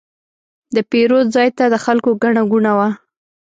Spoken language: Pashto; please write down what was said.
د پیرود ځای ته د خلکو ګڼه ګوڼه وه.